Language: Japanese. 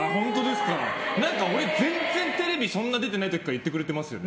俺全然テレビ出てない時から言ってくれてますよね。